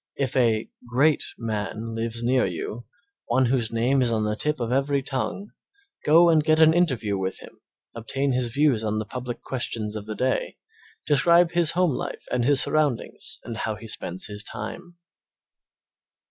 If a "great" man lives near you, one whose name is on the tip of every tongue, go and get an interview with him, obtain his views on the public questions of the day, describe his home life and his surroundings and how he spends his time.